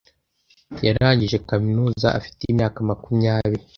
Yarangije kaminuza afite imyaka makumyabiri.